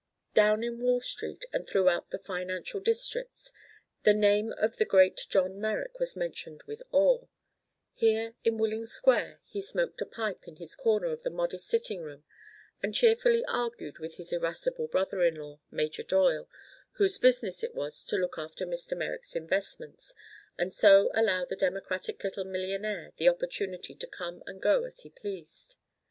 Down in Wall Street and throughout the financial districts the name of the great John Merrick was mentioned with awe; here in Willing Square he smoked a pipe in his corner of the modest sitting room and cheerfully argued with his irascible brother in law, Major Doyle, whose business it was to look after Mr. Merrick's investments and so allow the democratic little millionaire the opportunity to come and go as he pleased.